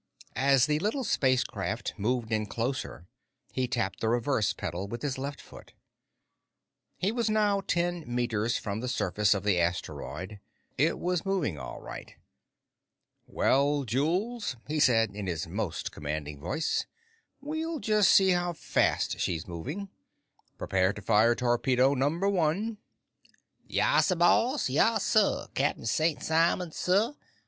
As the little spacecraft moved in closer, he tapped the reverse pedal with his left foot. He was now ten meters from the surface of the asteroid. It was moving, all right. "Well, Jules," he said in his most commanding voice, "we'll see just how fast she's moving. Prepare to fire Torpedo Number One!" "Yassuh, boss! Yassuh, Cap'n Sain' Simon, suh!